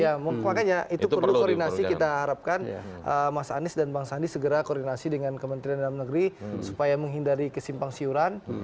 ya makanya itu perlu koordinasi kita harapkan mas anies dan bang sandi segera koordinasi dengan kementerian dalam negeri supaya menghindari kesimpang siuran